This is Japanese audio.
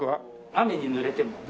『雨にぬれても』。